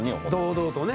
堂々とね。